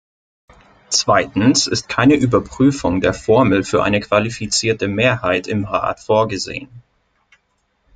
Zweitens ist keine Überprüfung der Formel für eine qualifizierte Mehrheit im Rat vorgesehen.